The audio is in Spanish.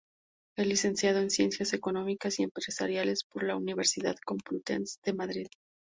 Es licenciado en Ciencias Económicas y Empresariales por la Universidad Complutense de Madrid.